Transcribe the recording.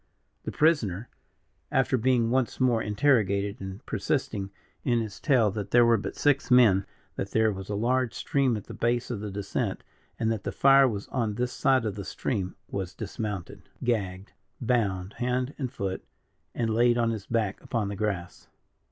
The prisoner after being once more interrogated, and persisting in his tale that there were but six men; that there was a large stream at the base of the descent; and that the fire was on this side of the stream was dismounted, gagged, bound hand and foot, and laid on his back upon the grass.